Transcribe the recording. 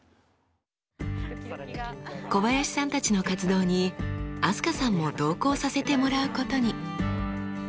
小林さんたちの活動に飛鳥さんも同行させてもらうことに。